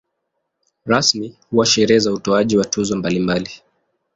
Rasmi huwa sherehe za utoaji wa tuzo mbalimbali.